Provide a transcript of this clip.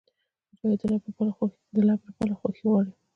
مجاهد د رب لپاره خوښي غواړي.